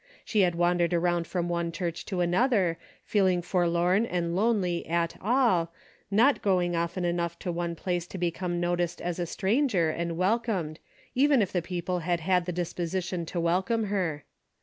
She had wandered around from one church to another, feeling forlorn and lonely at all, not going often enough to one place to become noticed as a stranger and welcomed, even if the people had had the dis 260 DAILY BATE:^ position to welcome her.